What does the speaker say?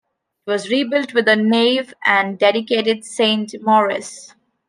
It was rebuilt with a nave and dedicated to Saint Maurice.